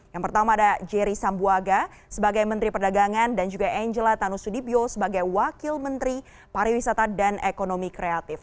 yang pertama ada jerry sambuaga sebagai menteri perdagangan dan juga angela tanusudibyo sebagai wakil menteri pariwisata dan ekonomi kreatif